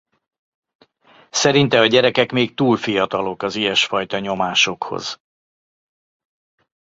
Szerinte a gyerekek még túl fiatalok az ilyesfajta nyomásokhoz.